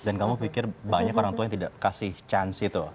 dan kamu pikir banyak orang tua yang tidak kasih chance itu